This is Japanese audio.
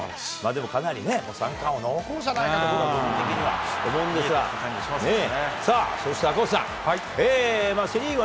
でもかなりね、三冠王、濃厚じゃないかと僕的には思うんですが。